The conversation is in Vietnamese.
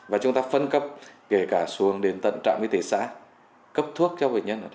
và chúng ta phân cấp kể cả xuống đến tận trạm y tế xã cấp thuốc cho bệnh nhân